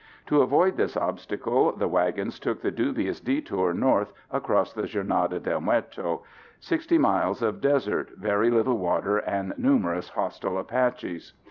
To avoid this obstacle, the wagons took the dubious detour north across the Jornada del Muerto. Sixty miles of desert, very little water, and numerous hostile Apaches.